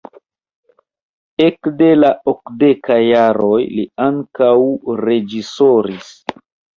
Ekde la okdekaj jaroj li ankaŭ reĝisoris.